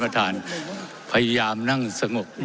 ไม่ได้เป็นประธานคณะกรุงตรี